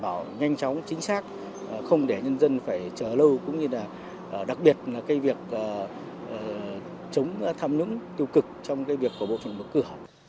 đảm bảo nhanh chóng chính xác không để nhân dân phải chờ lâu cũng như là đặc biệt là cái việc chống tham nhũng tiêu cực trong cái việc của bộ trưởng bộ cửa